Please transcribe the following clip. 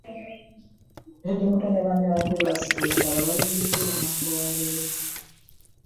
Eddie Mutwe ne banne ababadde baasibwa e Kitalya bayimbuddwa enkya ya leero